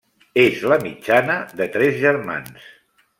És la mitjana de tres germans.